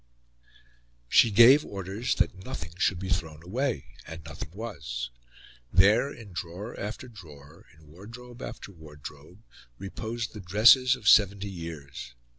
She gave orders that nothing should be thrown away and nothing was. There, in drawer after drawer, in wardrobe after wardrobe, reposed the dresses of seventy years.